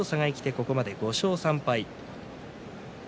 ここまで５勝３敗。